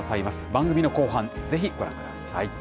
番組の後半、ぜひご覧ください。